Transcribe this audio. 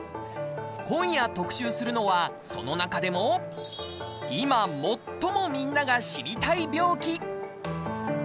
今夜特集するのは、その中でもいま、もっともみんなが知りたい病気。